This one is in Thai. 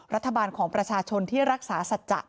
รัฐบาลของประชาชนที่รักษาสัจจะ